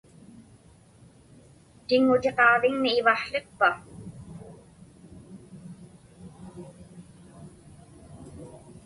Tiŋŋutiqaġviŋmi ivaqłiqpa?